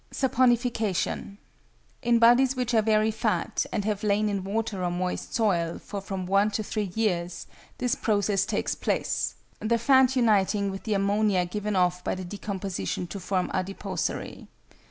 =Saponification.= In bodies which are very fat and have lain in water or moist soil for from one to three years this process takes place, the fat uniting with the ammonia given off by the decomposition to form adipocere.